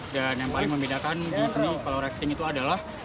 dan yang paling membedakan di sini kalau rafting itu adalah